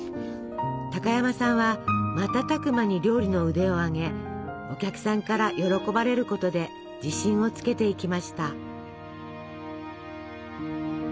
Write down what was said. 高山さんは瞬く間に料理の腕を上げお客さんから喜ばれることで自信をつけていきました。